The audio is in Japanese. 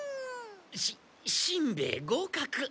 ししんべヱ合かく。